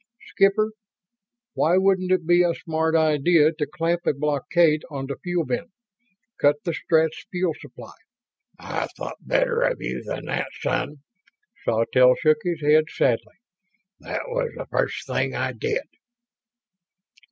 "Skipper, why wouldn't it be a smart idea to clamp a blockade onto Fuel Bin? Cut the Stretts' fuel supply?" "I thought better of you than that, son." Sawtelle shook his head sadly. "That was the first thing I did."